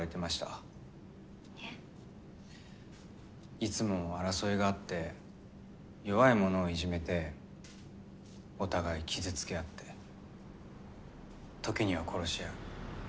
いつも争いがあって弱いものをいじめてお互い傷つけ合って時には殺し合う。